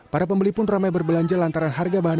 pasar pocong beroperasi setiap hari mulai pagi hingga sore hari